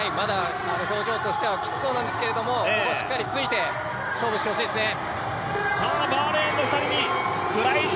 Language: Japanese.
表情としてはきつそうなんですけど、ここはしっかりついて勝負してほしいですね。